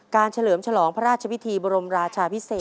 เฉลิมฉลองพระราชวิธีบรมราชาพิเศษ